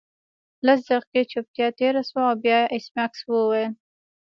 لس دقیقې چوپتیا تیره شوه او بیا ایس میکس وویل